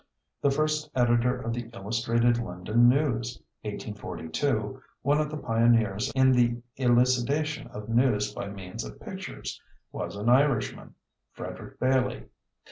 The first editor of the Illustrated London News (1842) one of the pioneers in the elucidation of news by means of pictures was an Irishman, Frederick Bayley.